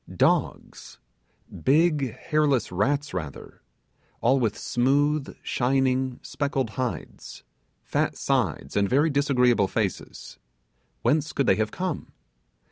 Dogs! Big hairless rats rather; all with smooth, shining speckled hides fat sides, and very disagreeable faces. Whence could they have come?